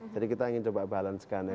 jadi kita ingin coba balance kan ya